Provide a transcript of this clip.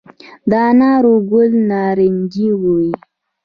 د انارو ګل نارنجي وي؟